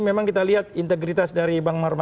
memang kita lihat integritas dari